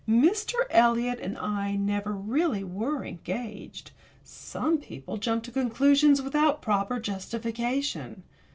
Mr. Eliot and I never really were engaged some people jump to conclusions without proper justification.